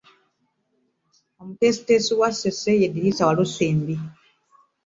Omutendesi wa Ssese ye Edrisa Walusimbi